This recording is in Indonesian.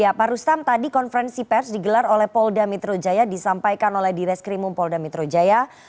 ya pak rustam tadi konferensi pers digelar oleh polda metro jaya disampaikan oleh di reskrimum polda metro jaya